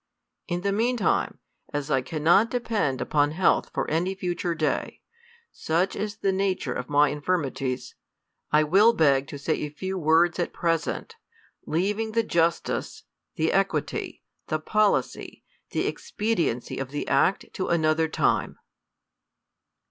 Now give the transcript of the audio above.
In the mean time, as I caur not depend upon health for any future day, such is the nature of my infirmities, I will beg to say a few words at present, leaving the justice, the equity, the policy, the expediency of the act to another time.